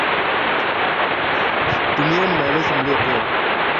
Tumieni maelezo mliyopewa.